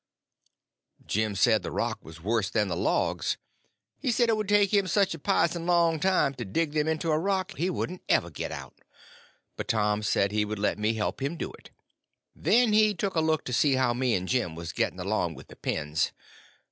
Jim said the rock was worse than the logs; he said it would take him such a pison long time to dig them into a rock he wouldn't ever get out. But Tom said he would let me help him do it. Then he took a look to see how me and Jim was getting along with the pens.